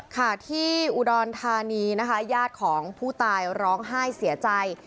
ค่ะที่อุดรธานีนะคะญาติของผู้ตายร้องไห้เสียใจ